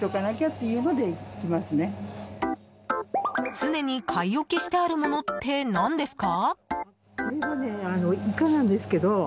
常に買い置きしてあるものって何ですか？